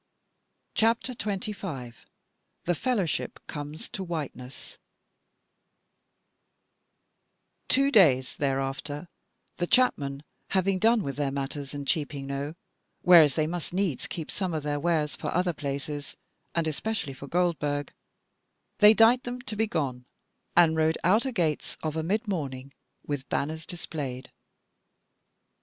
CHAPTER 25 The Fellowship Comes to Whiteness Two days thereafter the chapmen having done with their matters in Cheaping Knowe, whereas they must needs keep some of their wares for other places, and especially for Goldburg, they dight them to be gone and rode out a gates of a mid morning with banners displayed.